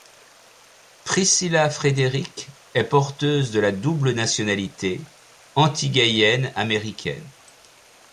Priscilla Frederick est porteuse de la double nationalité antiguayenne-américaine.